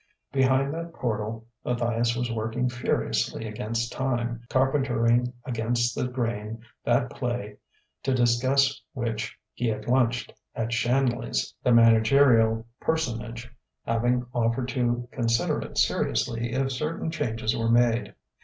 Behind that portal Matthias was working furiously against time, carpentering against the grain that play to discuss which he had lunched at Shanley's; the managerial personage having offered to consider it seriously if certain changes were made.